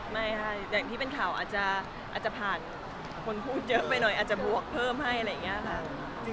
ไม่ค่ะอย่างที่เป็นข่าวอาจจะผ่านคนพูดเยอะไปหน่อยอาจจะบวกเพิ่มให้อะไรอย่างนี้ค่ะ